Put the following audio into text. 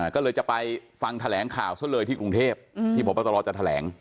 ก็เลยจะไปฟังแถลงข่าวซะเลยที่กรุงเทพที่พบตรจะแถลง